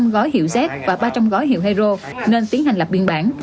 một trăm linh gói hiệu z và ba trăm linh gói hiệu hero nên tiến hành lập biên bản